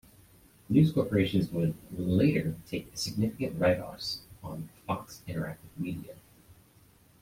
News Corporation would later take significant write-offs on Fox Interactive Media.